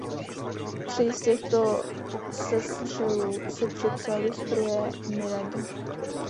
Tři z těchto sestřelů si připsaly stroje Mirage.